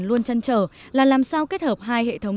luôn chăn trở là làm sao kết hợp hai hệ thống